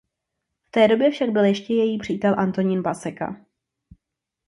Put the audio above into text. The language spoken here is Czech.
V té době však byl ještě její přítel Antonín Paseka..